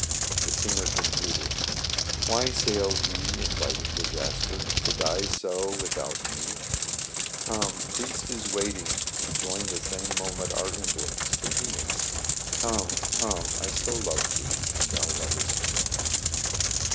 The singer concluded ;—" Why sailed he inviting Disaster? To die so without me ? Come ! priest is awaiting To join the same moment Our emblems, the Phœnix ! Come, come ! I so love thee, And thou loves t me."